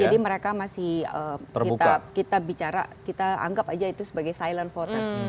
jadi mereka masih kita bicara kita anggap aja itu sebagai silent voters